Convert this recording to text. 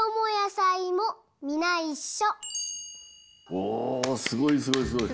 おおすごいすごいすごい。